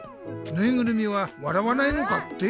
ぬいぐるみは笑わないのかって？